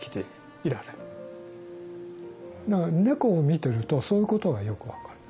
だから猫を見てるとそういうことがよく分かる。